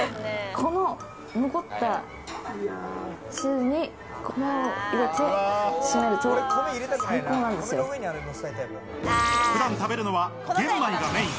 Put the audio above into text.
この残った汁に米を入れて普段食べるのは玄米がメイン。